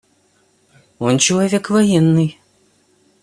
Он человек военный.